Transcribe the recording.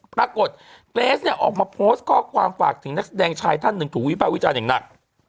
ปรากฏเกรสเนี่ยออกมาโพสต์ข้อความฝากถึงนักแสดงชายท่านหนึ่งถูกวิภาควิจารณ์อย่างหนัก